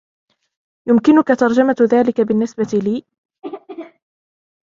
يمكنك ترجمة ذلك بالنسبة لي؟